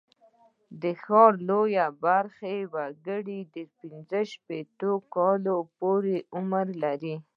د ښار لویه برخه وګړي تر پینځه شپېته کلنۍ پورته عمر لري.